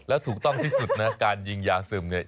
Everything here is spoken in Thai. แล้วถูกต้องที่สุดนะการยิงยาซึมเนี่ย